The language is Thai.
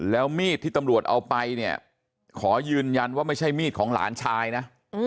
แล้วมีดที่ตำรวจเอาไปเนี่ยขอยืนยันว่าไม่ใช่มีดของหลานชายนะ